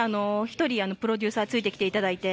１人、プロデューサー、ついてきていただいて。